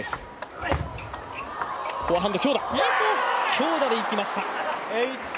強打でいきました。